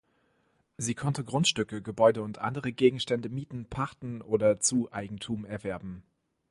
Sie konnte Grundstücke, Gebäude und andere Gegenstände mieten, pachten oder zu Eigentum erwerben.